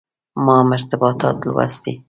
ما هم ارتباطات لوستي.